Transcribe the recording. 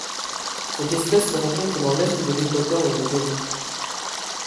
Cette espèce se rencontre dans l'est de l'Équateur et au Pérou.